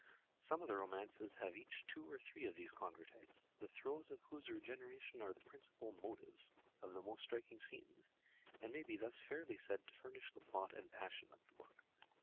Some of the romances have each two or three of these convertites, the throes of whose regeneration are the principal "motives" of the most striking scenes, and may be thus fairly said to furnish the plot and passion of the book.